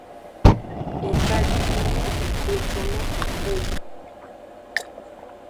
Eta de li yi eklo conno kuku o.